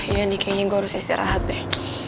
ya nih kayaknya gue harus istirahat deh